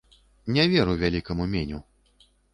Не веру вялікаму меню.